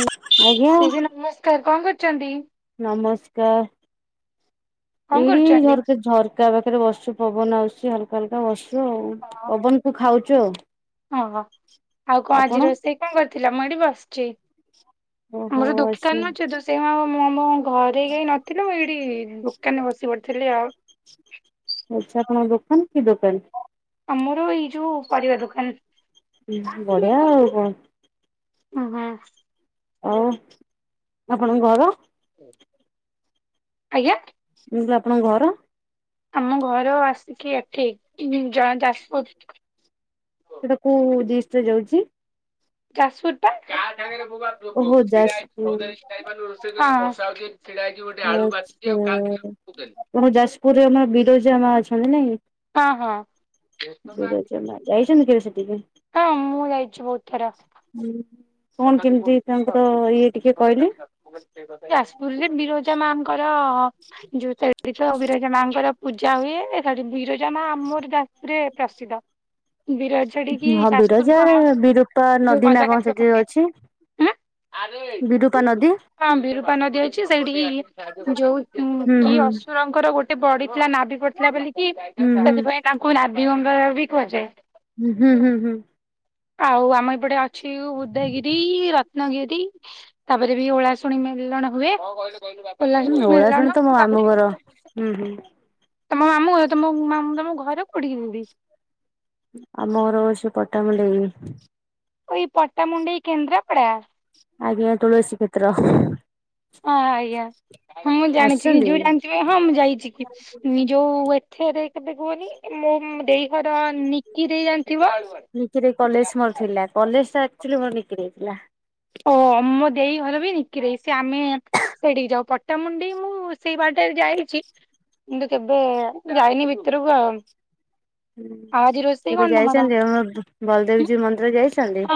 ଆଲୋ ଆଜ୍ଞା ଦିଦି ନମସ୍କାର କଣ କରୁଚନ୍ତି? ନମସ୍କାର କଣ ଏଇଠି କରୁଛନ୍ତି? ଝର୍କା ଝର କା ପାଖରେ ବସଚୁ ପବନ ଆସୁଚି ହଲକା ହଲକା ବସଚୁ ଆଉ ପବନକୁୁ ଖାଉଚୁ ଆଉ। ହଁଅ ଆଉ କଣ ଆଜି ଆପଣ? ରୋଷେଇ କଣ କରିଥିଲ ମୁଁ ଏଇଠି ବସିଚି। ଓହୋ ମୋର ଦୁଃଖୀ ଆଚ୍ଛା କାମ ଅଛି ତ ସେ ସେ ମା ମୁଁ ଆମ ଘରେ କେହିନଥିଲି ମୁଁ ଏଇଠି ଦୋକାନେ ବସିପଡିଥିଲି ଆଉ। ଆଛା ଆପଣଙ୍କ ଦୋକାନ କି ଦୋକାନ? ଆମର ଏଇ ଯୋଉ ପରିବା ଦୋକାନ। ଉଁହୁଁ ବଢିଆ ଆଉ କଣ। ଓହଁ। ଓ ଆପଣଙ୍କ ଘର? ଆଜ୍ଞା? ମୁଁ [unintelligible] ଆପଣଙ୍କ ଘର? ଆମ ଘର ଆସିକି ଏଠି ଯା-ଯାଜପୁର। ସେଟା କୋଉ ଡିଷ୍ଟରେ ଯାଉଚି? ଯାଜପୁରଟା। ଆ ଓହୋ ଯାଜପୁର ଆଚ୍ଛା। ଓହୋ ଯାଜପୁରରେ ଆମ ବିରଜା ମାଆ ଅଛନ୍ତି ନାଇଁ ହଁ ବିରଜା ମାଆ। ଯାଇଛନ୍ତି କେବେ ସେଠିକି? ହଁ ମୁଁ ଯାଇଛି ବୋହୁତ ଥର। ହୁଁ କଣ କେମିତି ତାଙ୍କର ଇଏ ଟିକେ କହିଲେ। ଯାଜପୁରରେ ବିରଜା ମାଙ୍କର ଯୋଉ [unintelligible] ଆଉ ବିରଜା ମାଙ୍କର ପୂଜା ହୁଏ ଏଠାରେ ବିରଜା ମାଆ ଆମରି ଡାକରେ ପ୍ରସିଦ୍ଧ। ବିରଜାଟିକି ହଁ ଯାଜପୁରକୁ ବିରଜାରେ ଆମର ବିରୂପା ଯୋଉ ନଦୀ ନା କଣ ଗଦାକାଠିର ସେଠି ପଟେ ଅଛି। ବିରୂପା ନଦ୍ ହଁ ବିରୁପା ନଦୀ ହେଇଚି ସେଇଠିକି ଯୋଉ ଉଁ ହୁଁ କି ହୁଁ ଅସୁରଙ୍କର ଗୋ ଏତେ ବଢିଥିଲା ନାଭି ପଡିଥିଲା ବୋଲିକି ହୁଁ ହୁଁ ସେଥିପାଇଁ ତାଙ୍କୁ ନାଭିଗଙ୍ଗା ବି କୁହାଯାଏ। ଉଁ ହୁଁ ହୁଁ ହୁଁ। ଆଉ ଆମ ଏପଟେ ଅଛି ଉ-ଉଧୟଗିରି ରି ରତ୍ନଗିରି ତାପରେ ବି ଓଳାଶୁଣି ମିଲଣ ହୁଏ। ହୁଁ ଓଳାଶୁଣି [unintelligible] ତ ମୋ ମାମୁଁ ତାପରେ ଘର। ହୁଁ ହୁଁ ତମ ମାମୁ ତମ ମାମୁଁ [unintelligible] ତମ ଘରେ କୋଠିକି ଯିବି ଆମ ଘର ହୋଉଚି ପଟାମୁଣ୍ଡେଇ। ଏଇ ପଟାମୁଣ୍ଡେଇ କେନ୍ଦ୍ରାପଡା? ଆଜ୍ଞା ତୁଳସୀ କ୍ଷେତ୍ର। ହଁ ଆଜ୍ଞା ହଁ ମୁଁ ଜାଣିଚି କି ଆସିଛନ୍ତି ଯୋଉ ଜାଣିଥିବ ହଁ ମୁଁ ଯାଇଚି କି। ନି ଯୋଉ ଏଥରେ କେତ କୁହନି ମୁ ଦେଇ ଘର ନିକି ଦେଇ ଜାଣିଥିବ? ନିକି କଲେଜ ମୋର ଥିଲା କଲେଜ ଟା ଆକଚୁଲି [unintelligible] କିରିଇଥିଲା। ଓମ ମୋ ଦେଇ ଘର ବି [unintelligible] ସେ ଆମେ ସେଠିକି ଯାଉ ପଟ୍ଟାମୁଣ୍ଡି ମୁଁ ସେଇ ବାଟରେ ଯାଇଚି। କିନ୍ତୁ କେବେ ଯାଇନି ଭିତରକୁ ଆଉ। ହୁଁ ଆଜି ରୋଷେଇ କେବେ କଣ ତମର? ଯାଇଚନ୍ତି ଆ ବଲଦେବୀଜୀ ମନ୍ଦିର ଯାଇଚନ୍ତି?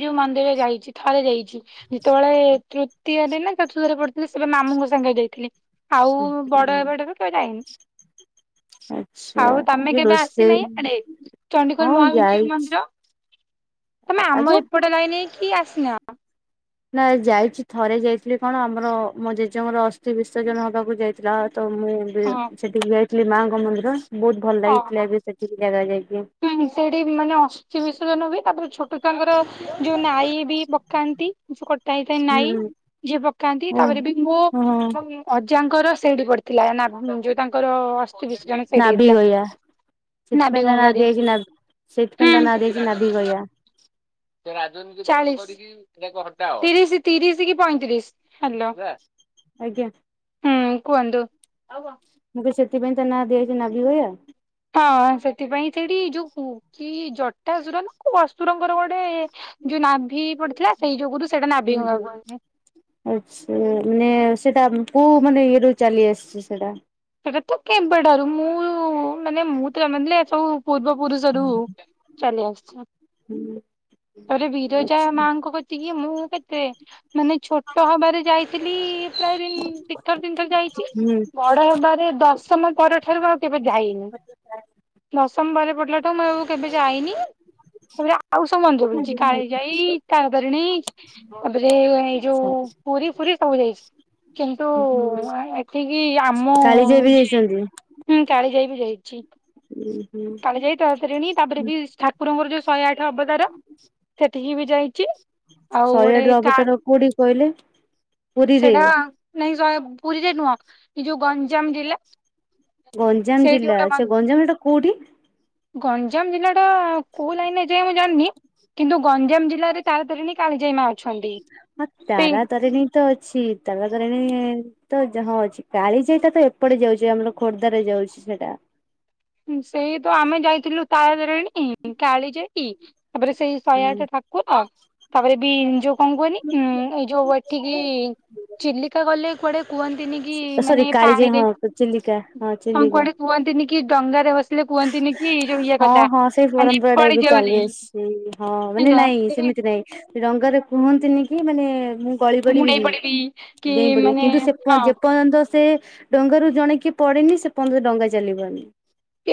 ଯଉ ମନ୍ଦିର ଯାଇଚି। ଥରେ ଯାଇଚି ଯେତେବେଳେ ତୃତୀୟରେ ନା ଚତୁର୍ଥରେ ପଡିଥିଲେ ସେବେ ମାମୁଙ୍କ ସାଙ୍ଗରେ ଯାଇଥିଲି। ଆଉ ବଡ ହେବାଠାରୁ କେଉ ଯାଇନି। ଆଚ୍ଛା ଆଉ ତମେ ଆଜି କେବେ ରୋଷେଇ ଆସିନାହିଁ ଆଡେ ଚଡିଗୋଲ ହଁ ମହା [unintelligible] ଯାଇଛି ମନ୍ଦିର। ତମେ ଆମ ଆଜ୍ଞା। ଏପଟେ ଲାଇନ୍ କି ଆସିନ। ନାଇ ଯାଇଚି ଥରେ ଯାଇଥିଲି କଣ ଆମର ମୋ ଜେଜେଙ୍କର ଅସ୍ଥି ବିସର୍ଜନ ହେବାକୁ ଯାଇଥିଲା ତ ମୁଁ ହଁ। ସେଠିକି ଯାଇଥିଲି ମାଙ୍କ ମନ୍ଦିର ବୋହୁତ ଭଲ ହଁ ଲାଗିଥିଲା ଏବେ ସେଠିକି ଜାଗା ଯାଇକି ହୁଁ ସେଠି [unintelligible] ଅ ଅସ୍ଥି ବିର୍ଷଯନ୍ ହୁଏ ତାପର ଛୋଟ ଛଆଙ୍କର ଯୋଉ ନାଇ ବି ପକାନ୍ତି। କି କଟା ହେଇଥାଏ ନାଇଁ ହୁଁ ଯିଏ ପକାନ୍ତି ଓ ତାପରେ ବି ମୋ ହଁ। ଅଜାଙ୍କର ସେଇଡି ପଡିଥିଲା ନା ଯୋଉ ତାଙ୍କର ଅସ୍ ନାଭିି ଗଇଆ ଚିତପ [unintelligible] ନାବି ଗଙ୍ଗାରେ ସେଥିପାଇଁ ହୁଁ ତା ନା ଦିଆଯାଇଚି ନାଭି ଗୟା। [unintelligible] ଚା ତିରିଶ ତିରିଶ କି ପଇଁତିରିଶ, ହ୍ୟାଲୋ ଆଜ୍ଞା। ହୁଁ କୁହନ୍ତୁ। ମୁ ସେଥିପାଇଁ ତା ନା ଦିହଅଛି ନାଭିଗୟା। ହଁ ସେଥିପାଇଁ ସେଇଠି ଯୋଉ କି ଜଟାସୁର ନା କ ଅସୁରଙ୍କର ଗୋଟେ ଯୋଉ ନାଭି ପଡିଥିଲା ସେଇ ଯୋଗୁରୁୁ ସେଇଟା ନାଭିଙ୍ଗାକୁିବେ। ଆଛ ମାନେ ସେଟା କୋଉ ମାନେ ଇଏ ରୁ ଚାଲି ଆସିଚି ସେଟା। ସେଟାତ କେବେ ଠାରୁ ମୁଁ ମାନେ ମୁଁତ [unintelligible] ସବୁ ପୂର୍ବ ପୁରୁଷରୁ ଚାଲି ଆସଚି। ହୁଁ। ରେ ଆଚ୍ଛା ବିରଜାମାଙ୍କୁ କତିକୁ ମୁଁ କେତେ ମାନେ ଛୋଟ ହବାରେ ଯାଇଥିଲି ପ୍ରାୟ ଦିଇଥର ତିନିଥର ଯାଇଚି। ହୁଁ। ବଡ଼ ହେବାରେ ଦଶମ ପରଠାରୁ ଆଉ କେବେ ଯାଇନି। ଦଶମ ପରେ ପଡ଼ିଲାଠୁ ମୁଁ କେବେ ଯାଇନି। ପୁ ଆଉ ସବ ମନ୍ଦ ବୁ [unintelligible] କାଳିଯାଇ ତାର ତରିିଣୀ। ତାପରେ ଏଇ ଯୋଉ ଆଛା ପୁରୀ ଫୁରୀ ସବୁ ବୁଲିଚି। କିନ୍ତୁ ଏଠିକି ଆ କାଳି ଯାଇ ବି ଯାଇଚନ୍ତି? ହୁଁ କାଳି ଯାଇ ବିି ଯାଇଚି। ହୁଁ ହୁଁ। ଯାଇ ତାରାତାରିଣୀ ତାପରେ ବି ଠାକୁରଙ୍କର ଯୋଉ ଶହେ ଆଠ ଅବତାର ସେଠିକି ବି ଯାଇଚି। ଆଉ ଶହେ ଗୋଟେ ଆଠ କା ଅବତାର କୋଉଠି କହିଲେ ପୁରୀରେ ସେଟା ନାଇଁ ଶହେ ପୁରୀରେ ନୁହଁ ଏ ଯୋଉ ଗଞ୍ଜାମ ଜିଲ୍ଳା। ଗଞ୍ଜାମ ଜିଲ୍ଲା ସେ ଗଞ୍ଜାମ ସେଟା କୋଉଠି? ଗଞ୍ଜାମ ଜିଲ୍ଲା ଟା କୋଉ ଲାଇନ୍‌ ରେ ଯାଏ ମୁଁ ଜାଣିନି କିନ୍ତୁ ଗଞ୍ଜାମ ଜିଲ୍ଲାରେ ତାର ତାରିଣୀ କାଳିଜାଇ ମା ଅ ହଁ ତାରା ତାରିଣୀ ତ ଅଛି ତାରା ତାରିଣୀ ତ ଯାଁ ଅଛି କାଳିଯାଇ ଟା ତ ଏପଟେ ଯାଉଛି ଆମର ଖୋର୍ଦ୍ଧ ରେ ଯାଉଛି ସେଇଟା। ସେଇ ତ ଆମେ ଯାଇଥିଲୁ ତାରା ତାରଣୀ କାଳିଯାଇ ତାପରେ ସେଇ ଶହେ ଅଠେ ଠା କୁର ତାପରେ ବି ଯୋଉ କଣ କୁହନି ଏଇ ଯୋଉ ଏଠିକି ଚିଲିକା ଗଲେ କୁଆଡେ କୁହନ୍ତିନି କି ସରି ମାନେ କାଳିଜାଇ ହଁ ପାଣିରେ ଚିଲିକା ହଁ ଚିଲିକା। କୁହନ୍ତିନି କି ଡଙ୍ଗାରେ ବ ହଁ ହଁ ସେଇ ମାନେ ପରମ୍ପରା ଟା ଏ ବି ପଡିଯିବ ବୋଲି ଚାଲି ଆସିଛି ହଁ ମାନେ ହେଲା ନାଇଁ ସେଥିରେ ସେମିତି ନାଇଁ। ରଙ୍ଗରେ କୁହନ୍ତିନି କି ମାନେ ମୁଁ କଳି ପଡିବି କି କି ଡେଇଁ ପଡିବି ମାନେ କିନ୍ତୁ ସେ ହଁ ଯେପର୍ଯ୍ୟନ୍ତ ସେ ଡଙ୍ଗାରୁ ଜଣେ କିଏ ପଡିନି ସେ ପର୍ଯ୍ୟନ୍ତ ଡଙ୍ଗା ଚାଲିିବନି।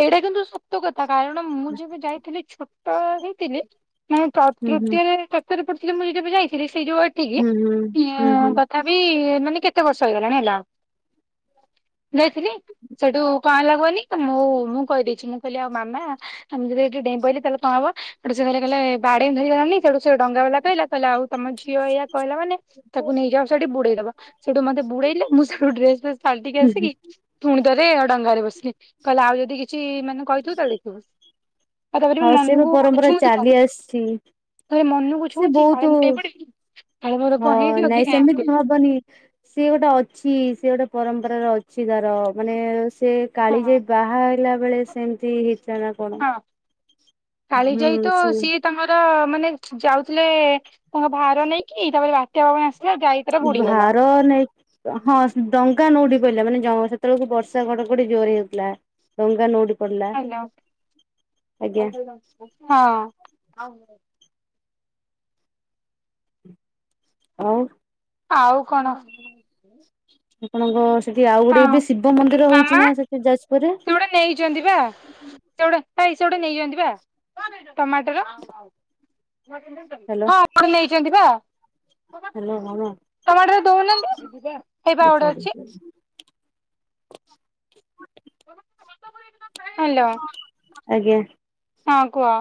ଏଇଟା କିନ୍ତୁ ସତ କଥା କାରଣ ମୁଁ ଯେବେ ଯାଇଥିଲି ଛୋଟ ହେଇଥିଲି। ମାନେ ହୁଁ ହୁଁ ତୃତୀୟରେ ଚତୁରେ ପଡିଥିଲେ ମୁଁ ଯେବେ ଯାଇଥିଲି ସେଇ ଯୋଉ ହୁଁ ଏଠିକି। ହୁଁ ହୁଁ ହୁଁ ତାବିି ମାନେ କେତେ ବର୍ଷ ହେଇଗଲାଣି ହେଲା। ଯାଇଥିଲି ସେଠୁ କଣ ହେଲା କୁହନି ତ ମୁଁ ମୁଁ କହିଦେଇଛି ମୁଁ କହିଲି ଆଉ ମାମା ଆମେ ଯଦି ଏଠି ଡେଇଁ ପଇଲି ତାହେଲେ କଣ ହବ ସେ କହିଲେ ବାଡ଼େଇବି ଧରିକିନା ଅନାନି ସେଠୁ ସେ ଡଙ୍ଗା ବାଲା କହିଲା କହିଲେ ଆଉ। ତମ ଝିଅ ଏଇଆ କହିଲା ମାନେ ତାକୁ ନେଇଯାଅ ସେଠି ବୁଡେଇଦବ ସେଠୁ ମତେ ବୁଡେଇଲେ ମୁଁ ସେଠୁ ଡ୍ରେସ ଫ୍ରେସ ପାଲିଟିକି ହୁଁ ହୁଁ ଆସିକି ପୁଣି ଥରେ ଆଉ ଡଙ୍ଗାରେ ବସିଲଲି କହିଲି ଆଉ ଯଦି କିଛି ମାନେ କହିଥିବୁ ତାହେଲେ ଦେଖିବୁ। ଆଉ ତାପରେ ହଁ ସେ ବି ମନକୁ ପରମ୍ପରା ଛୁଉଁଥିବ ଚାଲି ଆସିଛି। ତାପରେ ମନକୁ ସେ ଛୁଉଁଛି କାଳେ ବହୁତ ମୁଁ ଡେଇଁ ପଡିବି କାଳେ ମୋର ହଁ କଣ ହେଇଯିବ କି ନାଇଁ ସେମିତି ହବନି। ସିଏ ଗୋଟେ ଅଛି ସେ ଗୋଟେ ପରମ୍ପରାର ଅଛି ତାର ମାନେ ସେ ହଁ କାଳିଯାଇ ବା ହା ଖାଇଲା ବେଳେ ସେମିତି ଜଣା ପ କାଳିଯାଇ ତ ସେ ସିଏ ତାଙ୍କର ତ ମାନେ ଯାଉଥିଲେ ତାଙ୍କ ଭାର ନେଇକି ତାପରେ ବା ତମେ ଆସିଲାଠୁ ଭାର ନେଇକି ହଁ। ଡଙ୍ଗା ନୋଉଟି ପଇଲା ମାନେ ସେତେ ବେଳକୁ ବର୍ଷା ଘଡ଼ ଘଡ଼ି ଯୋରେ ହଉଥିଲା ଡଙ୍ଗା ନୋଉଟି ପଡିଲା ହାଲୋ ଆଜ୍ଞା। ହଁ। ଆଉ ଆଉ କଣ ଅହ ସେଠି ଆଉ ଗୋଟେ ହଁ ଏବେ ଶିବ ମନ୍ଦିର ମାମା ହୋଉଛି ନା ସେଠି ଯାଜପୁରରେ? ସେ ଗୋଟେ ନେଇଛନ୍ତି ପା ସେ ଏ ଗଟେ ନେଇଛନ୍ତି ବା ଟମାଟର। ହଁ ହ୍ୟାଲୋ ମୋଠୁ ନେଇଛନ୍ତି ପା। ହ୍ୟାଲୋ ହଁ ଟମାଟର ଦୋଉନାହାନ୍ତି ହେଇପା ଆଉ ଗୋଟେ ସରି ଅଛି। [inaudible] ଆଜ୍ଞା। ହଁ କୁହ।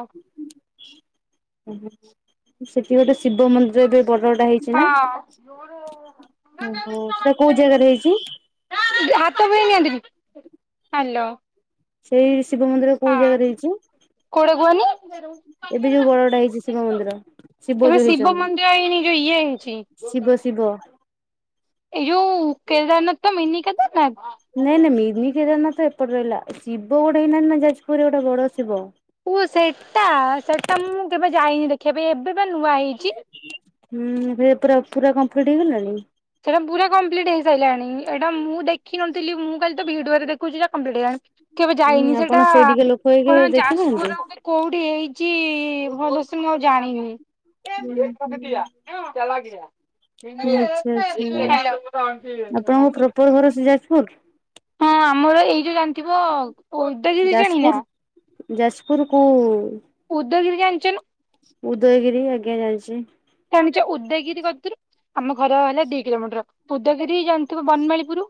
ଉଁ ହୁଁ ସେଠି ଗୋଟେ ଶିବ ମନ୍ଦି ଯୋଉ ଏବେ ବଡ ଟା ହେଇଛି ନା ହଁ ଓହୋ ସେଇଟା କୋଉ ଜାଗାରେ ହେଇଛି? ହ୍ୟାଲୋ। ସେଇ ଶିବ ମନ୍ଦିର କୋଉ ଜାଗାରେ ହେଇଚି? କୋଉଠି କୁହନି ବଡଟା ହେଇଛି ଶିବ ମନ୍ଦିର ଏବେ ଯୋଉ ଶିବ ହେଇଛନ୍ତି ମନ୍ଦିର ଏ ଏଇନିକେ ଇଏ ହୋଉଛି। ଶିବ ଶିବ। ଏ ଯୋଉ କେଦାରନାଥ ତ ମିନି କେଦାରନାଥ। ନାଇଁ ନାଇଁ ମିନି କେଦାରନାଥ ତ ଏପଟେ ରହିଲା। ଶିବ ଗୋଟେ ହେଇ ନାହାନ୍ତି ନା ଯାଜପୁରରେ ଗୋଟେ ବଡ଼ ଶିବ। ଓ ସେଟା। ସେଟା ମୁଁ କେବେ ଯାଇନି ଦେଖିବା ପାଇଁ ଏବେ ପା ନୂଆ ହେଇଚି। ହୁଁ ଏବେ ପୁରା ପୁରା କମ୍ପ୍ଲିଟ ହେଇଗଲାଣି। ସେଇଟା ପୁରା କଂପ୍ଲିଟ୍ ହେଇ ସାଇଲାଣି। ଏଇଟା ମୁଁ ଦେଖିନଥିଲି ମୁଁ କାଲି ତ ଭିଡିଓ ରେ ଦେଖୁଚି ଏଇଟା କଂପ୍ଲିଟ୍ ହେଲାଣି। କେବେ ହୁଁ ଯାଇନି ସେଟା ଆପଣ ସେଇଠିକା ଲୋକ ହେଇକି କଣ ଯାଜପୁର ଦେଖିନାହାନ୍ତି ର କୋଉଠି ହେଇଚି ଭଲସେ ମୁଁ ଆଉ ଜାଣିନି। ହୁଁ ହୁଁ ଆଚ୍ଛା [unintelligible] ଆଚ୍ଛା [unintelligible] ଆପଣଙ୍କ ପ୍ରପର ଘର ସେ ଯାଜପୁର ହଁ ଆମର ଏଇ ଯୋଉ ଜାଣିଥିବ ଉଦୟଗିରି ଜାଣିନା? ଯାଜପୁର ଯାଜପୁର କୋଉ ଉଦୟଗିରି ଜାଣିଚ ନା? ଉଦୟଗିରି ଆଜ୍ଞା ଜାଣିଚି। ଜାଣିଚ ଉଦୟଗିରି କତିରୁ ଆମ ଘର ହେଲା ଦି କିଲୋମିଟର। ଉଦୟଗିରି ଜାଣିଥିବ ବନମାଳୀପୁର?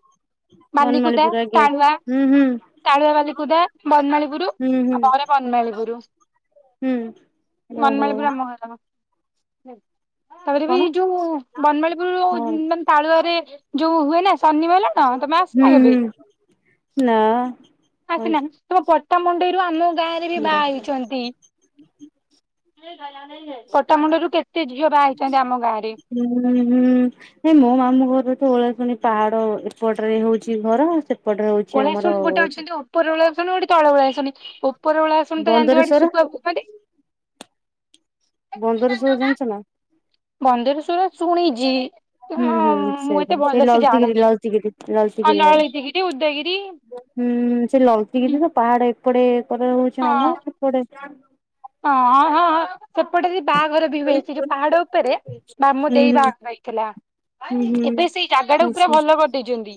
ବାଲିକୁଦା ବନମାଳିପୁର ଆଜ୍ଞା ଟାଣୁଆ। ହୁଁ ହୁଁ ତାଳୁଆ ବାଲିକୁଦା ବନମାଳୀପୁର ହୁଁ ହୁଁ ଆମ ଘର ବନମାଳୀପୁର। ହୁଁ ଓହୋ ବନମାଳୀପୁର ଆମ ଘର। ତାପରେ ବି କଣ ଯୋଉ ବନମାଳୀପୁର ହଁ ମାନ ତାଳୁଆରେ ଯୋଉ ହୁଏନା ସନି ମେଳଣ ତମେ ହୁଁ ଆସିନା ହୁଁ କେବେ? ନା। ଆସିନା। କହିଛି ତମ ପଟ୍ଟାମୁଣ୍ଡେଇରୁ ଆମ ଗାଁ ରେ ବି ବଡ ବାହା ହେଇଛନ୍ତି। ପଟ୍ଟାମୁଣ୍ଡେଇରୁ କେତେ ଝିଅ ବାହା ହେଇଚନ୍ତି ଆମ ଗାଆଁ ରେ। [unintelligible] ହୁଁ। ହେ ମୋ ମାମୁଁଘର ତ ଓଳାଶୁଣୀ ପାହାଡ଼ ଏପଟରେ ହେଉଚି ଘର ସେ ଏପଟରେ ହଉଚି ଆମର ଓଳାଶୁଣୀ ଗୋଟେ ଅଛନ୍ତି ଉପର ଓଳାଶୁଣୀ ଗୋଟେ ତଳ ଓଳାଶୁଣୀ। ଓପର ଓଳାଶୁଣୀ ତ ଜାଣିଥିବ ସେଠୀ ବନ୍ଦରେଶ୍ଵର ଶୁଖୁଆ ବିକନ୍ତି। ବନ୍ଦରେଶ୍ଵର ଜାଣିଛ ନା [unintelligible] ଶୁଣିଚି। ହୁଁ ହୁଁ ସେଇଟା। ସେଇ ଲଳିତିଗିରି ଲଳିତିଗିରି ଆଉ ଲଳିତିଗିରି ଲଳିତଗିରି ଉଦୟଗିରି ଆଡେ। ହୁଁ ସେ ଲଳିତିଗିରି ପାହାଡ଼ ଏପଟ କରେ ହଉଚି ହଁ ମାମୁଁଘର ସେପଟେ ହଁ ହଁ। ସେପଟେ ବି ବାହାଘର ବି ହୁଏ। ସେ ଯୋଉ ପାହାଡ ଉପରେ ମାମୁ ହୁଁ ଦେଇ ବାହାଘର ହେଇଥିଲା। ହୁଁ ହୁଁ ହୁଁ ଏବେ ସେଇ ଜାଗା ଟାକୁ ପୁରା ଆଛା ଭଲ କରିଦେଇଛନ୍ତି।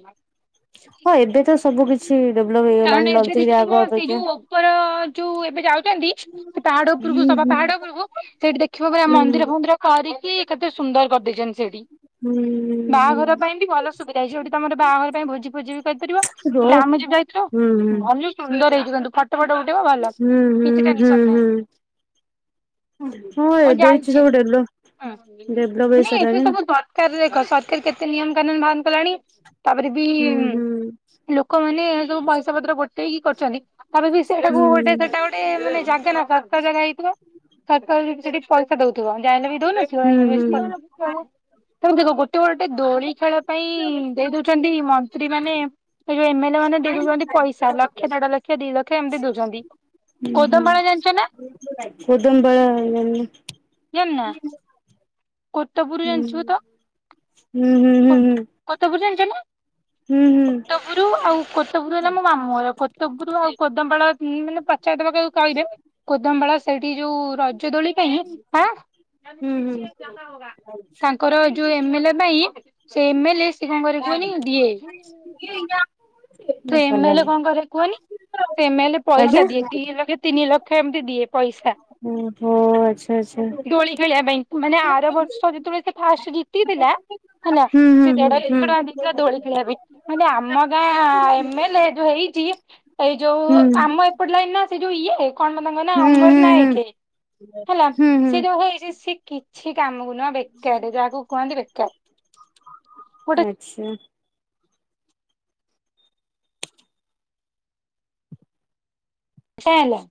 ହଁ ଏବେ ତ ସବୁ କିଛି ଛି ଡେଭଲପ ହେଇ କାରଣ ଏବେ ଦେଖିବ ସେ ଯୋଉ ଉପର ଯୋଉ ଏବେ ଯାଉଛନ୍ତି ସେ ପାହାଡ ହୁଁ ଉପରକୁ ସବା ହୁଁ ପାହାଡ ଉପରକୁ ସେଇଠି ଦେଖିବ ପୁରା ହୁଁ ମନ୍ଦିର ଫନ୍ଦିର କରିକି କେତେ ସୁନ୍ଦର କରିଦେଇଛନ୍ତି ସେଇଠି। ହୁଁ। ହୁଁ ବାହାଘର ପାଇଁ ବି ଭଲ ସୁବିଧା ହେଇଚି। ଯୋଉଠି ତମର ବାହାଘର ପାଇଁ ଭୋଜି ଫୋଜି ବି କରିପାରିବ। ରୋ ତାପରେ ଆମେ ଯୋଉ ଯାଇଥିଲୁ ହୁଁ ଭଲ ସୁନ୍ଦର ହେଇଚି କିନ୍ତୁ। ଫଟୋ ଫଟ ଉଠେଇବ ଭଲ। ହୁଁ ହୁଁ କିଛି ହୁଁ ଟେନ୍ସନ ନାହିଁ। ହୁଁ ହୁଁ ହଁ ଏବେ କିଛି ଯାଇଚି। ସବୁ ଡେଭଲପ ଡେଭଲପ ମାନେ ଏଠି ହେଇସାରିଲାଣି ନା ସବୁ ସରକାର ଦେଖ ସରକାର କେତେ ନିୟମ କାନୁନ ବାହାର କଲାଣି। ତାପରେ ବି ହୁଁ ହୁଁ ଲୋକମାନେ ଏସବୁ ପଇସାପତ୍ର ଗୋଟେଇକି କରିଛନ୍ତି। ତା ପରେ ବି ହୁଁ ସେଇଟାକୁ ଗୋଟେ ସେଟା ଗୋଟେ ମାନେ ଜାଗା ନା ଶସ୍ତା ଜାଗା ହେଇଥିବ ଶସ୍ତା ସେଠି ପଇସା ଦଉଥିବ। ଯାହା ହେଲେ ବି ଦଉନଥିବ ହୁଁ ହୁଁ ଇନଭେଷ୍ଟ ହୁଁ। କରିଛନ୍ତି ସବୁ। ତାଙ୍କୁ ଦେଖ ଗୋଟେ ଗୋଟେ ଦୋଳି ଖେଳ ପାଇଁ ଦେଇ ଦଉଛନ୍ତି ମନ୍ତ୍ରୀ ମାନେ ଏ ଯୋଉ ଏମେଲେ ମାନେ ଦେଇ ଦଉଛନ୍ତି ପଇସା। ଲକ୍ଷ ଦେଢ ଲକ୍ଷ ଦି ଲକ୍ଷ ଏମିତି ଦଉଛନ୍ତି। ଉଁ ହୁଁ। କୋଦମପାଳ ଜାଣିଛ ନା କୋଦମ୍ବଳା ଜାଣିନା? କୋଟପୁର ହୁଁ। ଜାଣିଥିବ ନା? ହୁଁ ହୁଁ ହୁଁ ହୁଁ। କୋତପୁର ଜାଣିଛ ନା? ହୁଁ ହୁଁ। ପୁରୁ ଆଉ କୋତପୁରୁ ହେଲା ମୋ ମାମୁଁ ଘର। କୋତପୁରୁ ଆଉ କଦମ୍ପାଳ ମାନେ ପଚାରି ଦବ କାହାକୁ କହିବେ କୋଦମବାଳ ସେଇଠି ଯୋଉ ରଜ ଦୋଳି ପାଇଁ, ଆଁ? ହୁଁ ହୁଁ ତାଙ୍କର ଯୋଉ ଏମେ ଲେ ପାଇଁ ସେଇ ଏମେଲେ, ସେ କଣ କରେ କୁହନି? ଦିଏ। ହ [inaudible] ସେ ଏମେଲେ କଣ କରେ କୁହନି, ସେ ଏମେଲେ ଆଜ୍ଞା। ପଇସା ଦିଏ। ଦି ଲକ୍ଷ, ତିନି ଲକ୍ଷ ଏମିତି ଦିଏ ପଇସା ଓହୋ ଆଚ୍ଛା ଆଚ୍ଛା ଦୋଳି ଖେଳିବା ପାଇଁ। ମାନେ ଆର ବର୍ଷ ଯେତେବେଳେ ସେ ଫାର୍ଷ୍ଟ ଜିତିଥିଲା ହେଲା, ହୁଁ ହୁଁ ସେ ହୁଁ ଦେଢ଼ ହୁଁ ଲକ୍ଷ ଦେଇଥିଲା ଦୋଳି ଖେଳିବା ପାଇଁ। ମାନେ ଆମ ଗାଁ ଏମେଲେ ଯୋଉ ହେଇଛି, ଏଇ ଯୋଉ ହୁଁ। ଆମ ଏପଟ ଲାଇନର ସେ ଯୋଉ ଇଏ କଣ ବା ତାଙ୍କ ନାଁ? ହୁଁ ଅମର ହୁଁ ହୁଁ ନାୟକେ ହେଲା। ସେ ଯୋଉ ହେଇଛି ସେ କିଛି କାମକୁ ପୁରା ବେକାର, ଯାହାକୁ କୁହନ୍ତି ବେକାର। ଗୋଟେ ଆଚ୍ଛା। କାଇଁ ହେଲା?